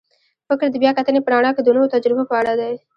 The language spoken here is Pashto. فکر د بیا کتنې په رڼا کې د نویو تجربو په اړه دی.